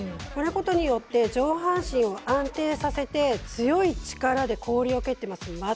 そのことによって上半身を安定させて強い力で氷を蹴ってます。